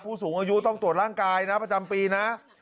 ผู้สูงอายุต้องตรวจร่างกายนะประจำปีนะ